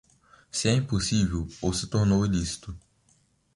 Se é impossível ou se tornou ilícito.